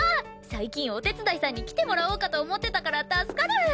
最近お手伝いさんに来てもらおうかと思ってたから助かる！